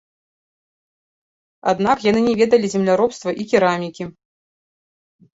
Аднак яны не ведалі земляробства і керамікі.